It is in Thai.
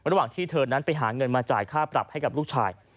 ระหว่างที่เธอนั้นไปหาเงินมาจ่ายค่าปรับให้กับลูกชาย